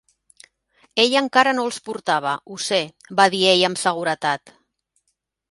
"Ella encara no els portava, ho sé", va dir ell amb seguretat.